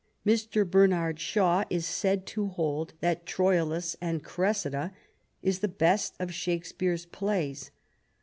Mr. Bernard Shaw is said to hold that Troilus and Cressida is the best of Shakespeare's plays.